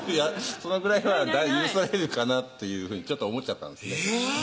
そのぐらいは許されるかなっていうふうに思っちゃったんです